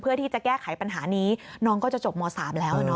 เพื่อที่จะแก้ไขปัญหานี้น้องก็จะจบม๓แล้ว